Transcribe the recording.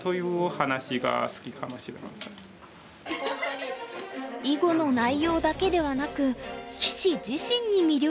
囲碁の内容だけではなく棋士自身に魅力を感じているようです。